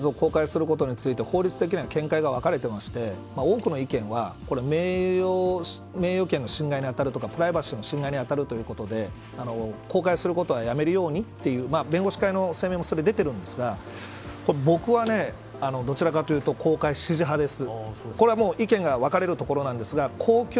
防犯カメラの映像を公開することについて法律的には見解が分かれていまして多くの意見は名誉権の侵害に当たるとかプライバシーの侵害に当たるということで公開することはやめるようにという弁護士会の声明も出ているんですが僕はどちらかというと公開支持派です。